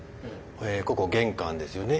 ここ玄関ですよね。